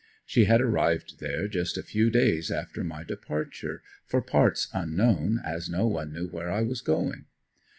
She had arrived there just a few days after my departure for parts unknown, as no one knew where I was going.